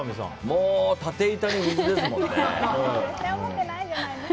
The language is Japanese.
もう立て板に水ですもんね。